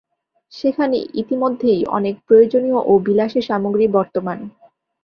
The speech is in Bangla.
সেখানে ইতিমধ্যেই অনেক প্রয়োজনীয় ও বিলাসের সামগ্রী বর্তমান।